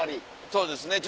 そうですね